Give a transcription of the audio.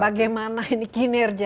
bagaimana ini kinerja